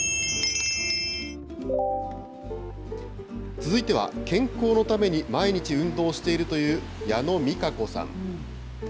続いては、健康のために毎日運動しているという矢野美加子さん。